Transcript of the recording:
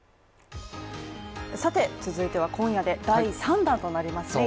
さて続いては今夜で第３弾となります